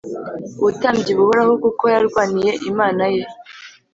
ubutambyi buhoraho kuko yarwaniye Imana ye